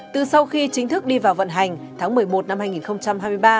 từ sau khi chính thức đi vào vận hành tháng một mươi một năm hai nghìn hai mươi ba